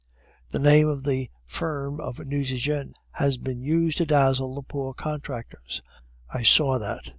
The name of the firm of Nucingen has been used to dazzle the poor contractors. I saw that.